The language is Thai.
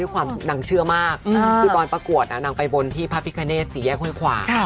คือตอนประกวดนางไปบนที่พระพิกาเนสศรีแยกข้วยขวา